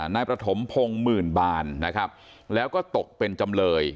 นายประถมพงศ์หมื่นบานนะครับแล้วก็ตกเป็นจำเลย